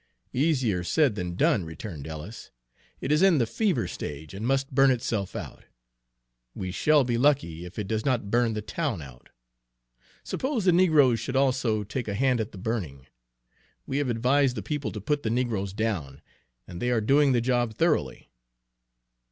"Easier said than done," returned Ellis. "It is in the fever stage, and must burn itself out. We shall be lucky if it does not burn the town out. Suppose the negroes should also take a hand at the burning? We have advised the people to put the negroes down, and they are doing the job thoroughly."